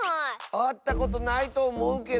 あったことないとおもうけど。